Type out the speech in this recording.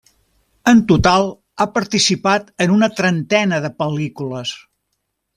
En total ha participat en una trentena de pel·lícules.